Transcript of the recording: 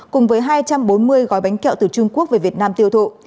cùng với hai trăm bốn mươi gói bánh kẹo từ trung quốc về việt nam tiêu thụ